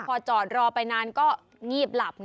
พอจอดรอไปนานก็งีบหลับไง